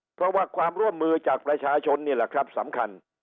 เพราะว่าความร่วมมือจากประชาชนนี่แหละครับสำคัญ